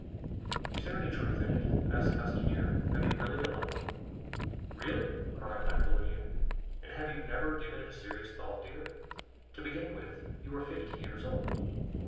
"Is there any truth in it?" asked Castanier. "Have you really a lover?" "Really!" cried Aquilina; "and have you never given it a serious thought, dear? To begin with, you are fifty years old.